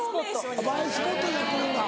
映えスポットになってるんだ。